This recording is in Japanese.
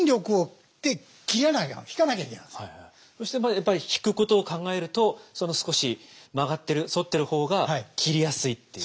やっぱりひくことを考えると少し曲がってる反ってる方が切りやすいっていう？